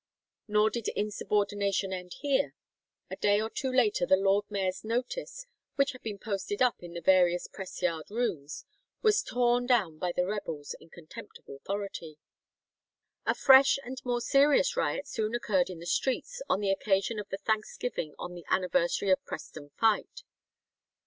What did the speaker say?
Nor did insubordination end here. A day or two later the lord mayor's notice, which had been posted up in the various press yard rooms, was torn down by the rebels in contempt of authority. A fresh and more serious riot soon occurred in the streets, on the occasion of the thanksgiving on the anniversary of Preston fight.